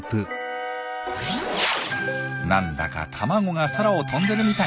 なんだか卵が空を飛んでるみたい。